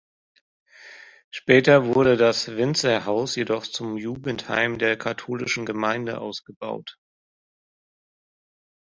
Später wurde das Winzerhaus jedoch zum Jugendheim der katholischen Gemeinde ausgebaut.